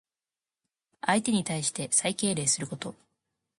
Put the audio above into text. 相手に対して最敬礼すること。